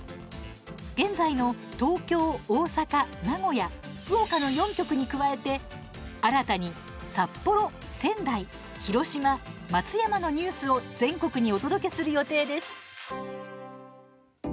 現在の東京、大阪名古屋、福岡の４局に加えて新たに札幌、仙台、広島、松山のニュースを全国にお届けする予定です。